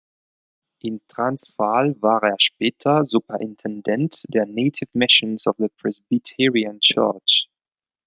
In Transvaal war er später Superintendent der „Native Missions of the Presbyterian Church“.